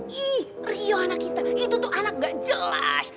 hih rio anak kita itu tuh anak gak jelas